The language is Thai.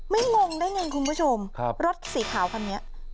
งงได้ไงคุณผู้ชมรถสีขาวคันนี้